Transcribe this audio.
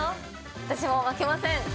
私も負けません。